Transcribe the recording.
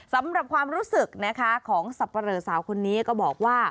สำหรับความรู้สึกนะคะของสับปะเหลอสาวคนนี้ก็บอกว่า